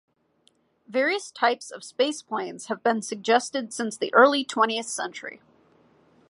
Various types of spaceplanes have been suggested since the early twentieth century.